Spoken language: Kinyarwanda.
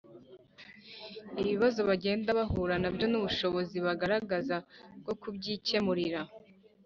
ibibazo bagenda bahura na byo n'ubushobozi bagaragaza bwo kubyikemurira.